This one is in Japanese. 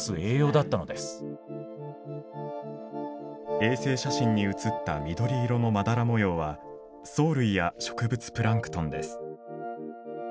衛星写真に写った緑色のまだら模様は藻類や植物プランクトンです。